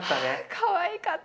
かわいかった！